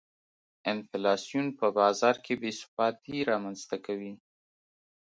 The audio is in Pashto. انفلاسیون په بازار کې بې ثباتي رامنځته کوي.